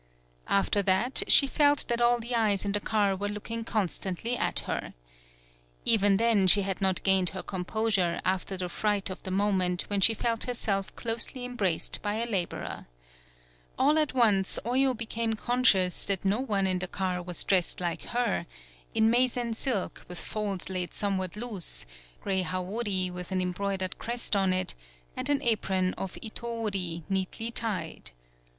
After that she felt that all the eyes in the car were looking constantly at her. Even then, she had not gained her composure after the fright of the moment when she felt herself closely embraced by a laborer. All at once Oyo became con scious that no one in the car was dressed like her in Meisen silk, with folds laid somewhat loose, gray Hawori with an embroidered crest on it, and an apron of Itob'ri neatly tied.